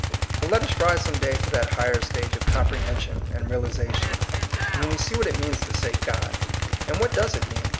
But let us rise some day to that higher stage of comprehension and realization, when we see what it means to say God. And what does it mean?